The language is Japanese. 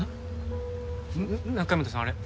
中山田さんあれ。